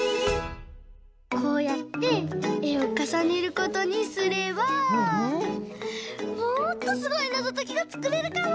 こうやってえをかさねることにすればもっとすごいなぞときがつくれるかも！